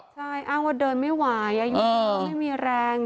ใช่อ้างว่าเดินไม่ไหวอายุก็ไม่มีแรง